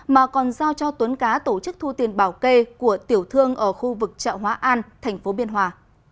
mà còn giao cho tuấn cá tổ chức thu tiền bảo kê của tiểu thương ở khu vực chợ hóa an thành phố biên hòa